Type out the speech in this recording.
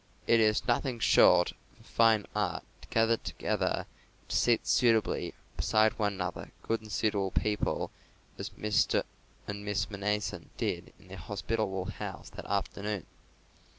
It is nothing short of a fine art to gather together and to seat suitably beside one another good and suitable people as Mr. and Miss Mnason did in their hospitable house that afternoon.